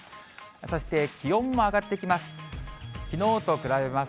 そして気温も上がってきます。